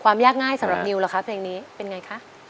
ยากง่ายสำหรับนิวล่ะคะเพลงนี้เป็นไงคะ